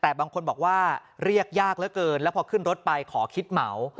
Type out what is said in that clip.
แต่บางคนบอกว่าเรียกยากเหลือเกินแล้วพอขึ้นรถไปขอคิดเหมา